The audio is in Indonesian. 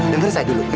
dengar saya dulu